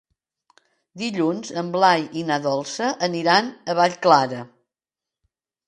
Dilluns en Blai i na Dolça aniran a Vallclara.